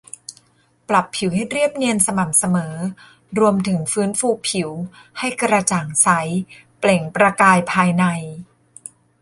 ปรับผิวให้เรียบเนียนสม่ำเสมอ รวมถึงฟื้นฟูผิวให้กระจ่างใสเปล่งประกายภายใน